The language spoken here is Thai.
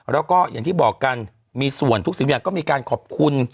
แล้วก็อย่างที่บอกกันมีส่วนทุกสิ่งอย่างก็มีการขอบคุณ